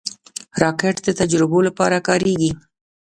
راکټ د تجربو لپاره کارېږي